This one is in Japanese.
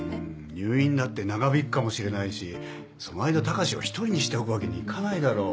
入院だって長引くかもしれないしその間高志を一人にしておくわけにいかないだろう。